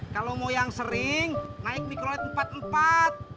kalau mau yang sering naik mikroled empat empat